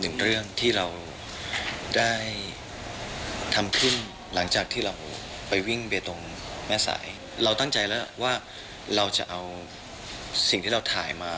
หนึ่งเรื่องที่เราได้ทำขึ้นหลังจากที่เราไปวิ่งเบตรงแม่สายเราตั้งใจแล้วว่าเราจะเอาสิ่งที่เราถ่ายมา